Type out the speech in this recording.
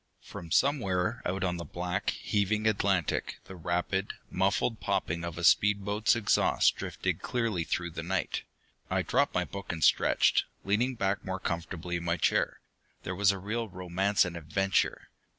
_] From somewhere out on the black, heaving Atlantic, the rapid, muffled popping of a speed boat's exhaust drifted clearly through the night. I dropped my book and stretched, leaning back more comfortably in my chair. There was real romance and adventure!